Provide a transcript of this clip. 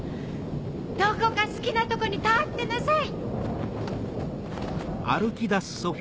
どこか好きなとこに立ってなさい！